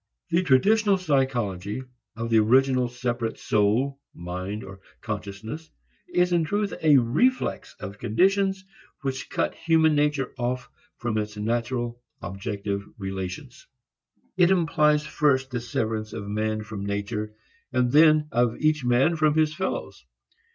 The traditional psychology of the original separate soul, mind or consciousness is in truth a reflex of conditions which cut human nature off from its natural objective relations. It implies first the severance of man from nature and then of each man from his fellows.